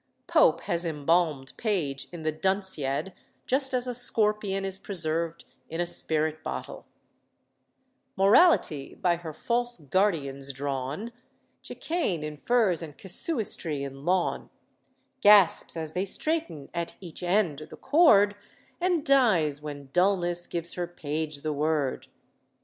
Pope has embalmed Page in the Dunciad just as a scorpion is preserved in a spirit bottle: "Morality by her false guardians drawn, Chicane in furs, and Casuistry in lawn, Gasps as they straighten at each end the cord, And dies when Dulness gives her Page the word."